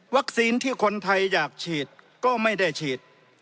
ที่คนไทยอยากฉีดก็ไม่ได้ฉีด